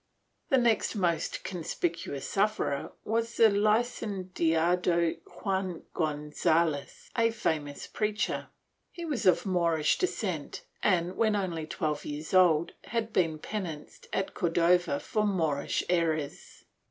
The next most conspicuous sufferer was the Licenciado Juan Gonzalez, a famous preacher. He was of Moorish descent and, when only twelve years old, had been pen anced at Cordova for Moorish errors.